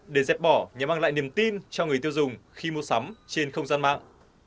để dẹp bỏ nhằm mang lại niềm tin cho người tiêu dùng khi mua sắm trên không gian mạng